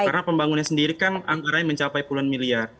karena pembangunnya sendiri kan antaranya mencapai puluhan miliar